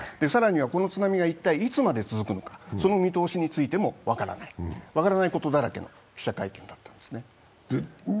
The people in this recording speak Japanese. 更にはこの津波が一体いつまで続くのか、その見通しについても、分からない分からないことだらけの記者会見なんですね。